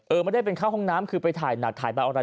ไม่ได้เป็นเข้าห้องน้ำคือไปถ่ายหนักถ่ายบางอะไร